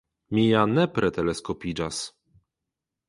mi ja nepre teleskopiĝas!